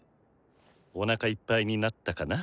おなかいっぱいになったかな？